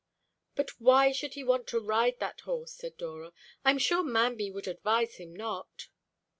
"But why should he want to ride that horse?" said Dora; "I'm sure Manby would advise him not."